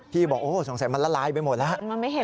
บอกโอ้สงสัยมันละลายไปหมดแล้ว